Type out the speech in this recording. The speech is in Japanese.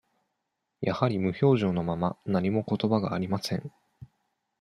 やはり無表情のまま、何もことばがありません。